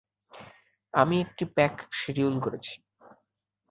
আমি একটি pack schedule করেছি।